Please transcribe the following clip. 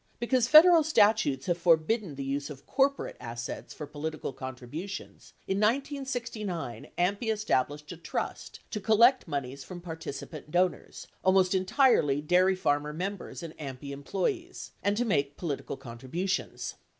Because Federal statutes have forbidden the use of corporate assets for political contributions, in 1969 AMPI established a trust to collect monies from participant donors, almost entirely dairy farmer members and AMPI employees, and to make political contributions.